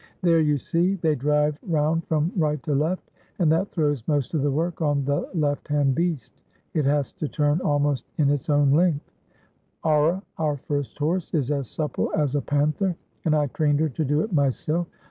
There — you see !— They drive round from right to left and that throws most of the work on the left hand beast; it has to turn almost in its own length. Aura, our first horse, is as supple as a panther and I trained her to do it myself.